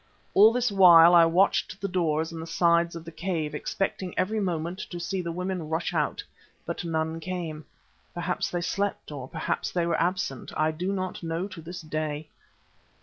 All this while I watched the doors in the sides of the cave, expecting every moment to see the women rush out. But none came. Perhaps they slept, or perhaps they were absent; I do not know to this day.